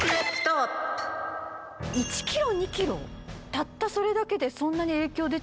たったそれだけでそんなに。